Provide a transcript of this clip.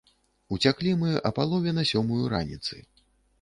Уцяклі мы а палове на сёмую раніцы.